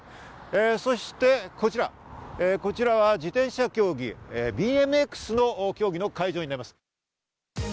そしてこちらは、自転車競技ＢＭＸの競技の会場になります。